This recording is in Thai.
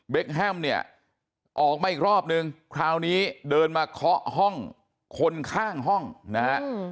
แฮมเนี่ยออกมาอีกรอบนึงคราวนี้เดินมาเคาะห้องคนข้างห้องนะฮะ